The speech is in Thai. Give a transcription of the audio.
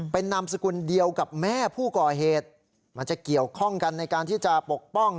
เป็นนามสกุลเดียวกับแม่ผู้ก่อเหตุมันจะเกี่ยวข้องกันในการที่จะปกป้อง